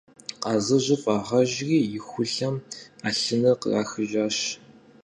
Къазыжьыр фӀагъэжри, и хулъэм Ӏэлъыныр кърахыжащ.